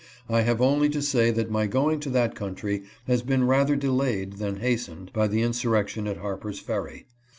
I have only to say that my going to that country has been rather delayed than hastened by the insurrection at Harper's Ferry.